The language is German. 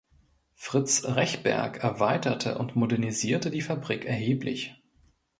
Fritz Rechberg erweiterte und modernisierte die Fabrik erheblich.